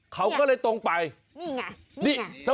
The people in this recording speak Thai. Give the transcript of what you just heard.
เขาก็เลยตรงไปนี่ไงนี่ไง